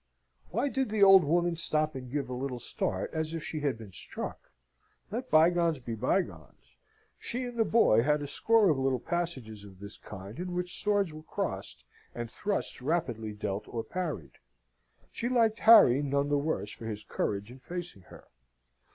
Why did the old Woman stop and give a little start as if she had been struck? Let bygones be bygones. She and the boy had a score of little passages of this kind in which swords were crossed and thrusts rapidly dealt or parried. She liked Harry none the worse for his courage in facing her.